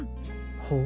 ほう。